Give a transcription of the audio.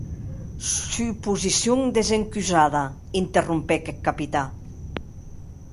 Suposicion desencusada, interrompec eth Capitan.